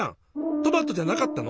トマトじゃなかったの？